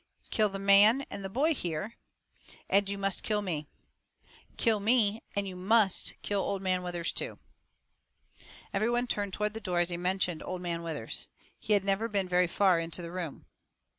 "Kill the man and the boy here, and you must kill me. Kill me, and you must kill Old Man Withers, too." Every one turned toward the door as he mentioned Old Man Withers. He had never been very far into the room.